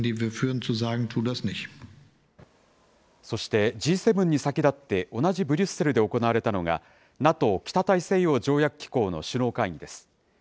そしてＧ７に先立って、同じブリュッセルで行われたのが、ＮＡＴＯ・北大西洋条約機構の首脳会議です。